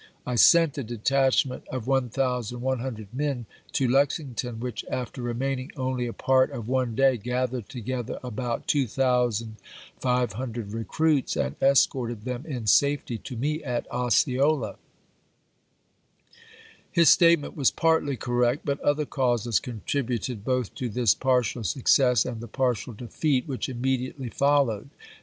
.. I sent a detachment of 1100 men to Lexington, which after remaining only a part of one day gathered together t^oft, about 2500 recruits, and escorted them in safety iseif^V.R. to me at Osceola." His statement was partly cor pp. 729, 730. rect, but other causes contributed both to this partial success and the partial defeat which immediately followed.